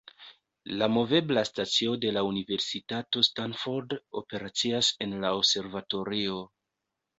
La movebla stacio de la Universitato Stanford operacias en la observatorio.